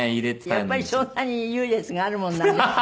やっぱりそんなに優劣があるもんなんですか？